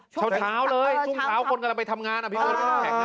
เช้าเลยพรุ่งเช้าคนกำลังไปทำงานพี่เบิร์ดไม่ได้แข็ง